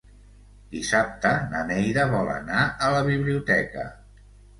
Dissabte na Neida vol anar a la biblioteca.